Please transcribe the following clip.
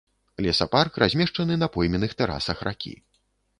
Лесапарк размешчаны на пойменных тэрасах ракі.